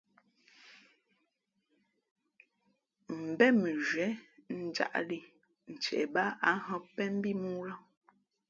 ̀mbén mʉnzhwē njāʼlī ntie bāā ǎ hᾱ pēn mbí mōō lά.